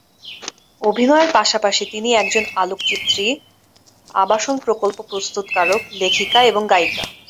অভিনয়ের পাশাপাশি তিনি একজন আলোকচিত্রী, আবাসন প্রকল্প প্রস্তুতকারক, লেখিকা এবং গায়িকা।